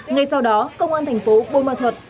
ngay sau đó công an thành phố buôn ma thuật